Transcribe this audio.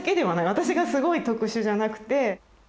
私がすごい特殊じゃなくて。